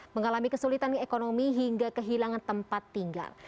mengalami kesulitan ekonomi hingga kehilangan tempat tinggal